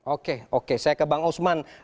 oke oke saya ke bang usman